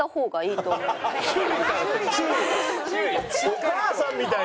お母さんみたいな。